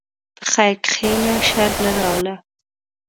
په خیر کښېنه، شر نه راوله.